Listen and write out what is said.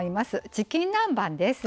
チキン南蛮です。